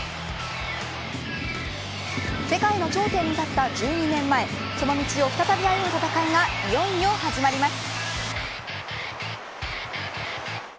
世界の頂点に立った１２年前その道を再び歩む戦いがいよいよ始まります。